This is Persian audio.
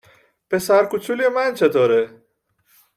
پسر کوچولوی من چطوره؟